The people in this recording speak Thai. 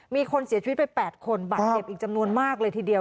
มีคนเสียชีวิตไป๘คนบาดเจ็บอีกจำนวนมากเลยทีเดียว